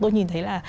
tôi nhìn thấy là